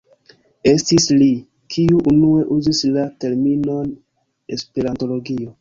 Estis li, kiu unue uzis la terminon "esperantologio".